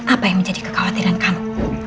apa yang menjadi kekhawatiran kamu